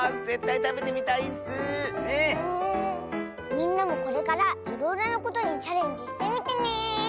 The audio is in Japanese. みんなもこれからいろいろなことにチャレンジしてみてね！